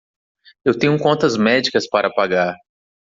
Eu tenho contas médicas para pagar.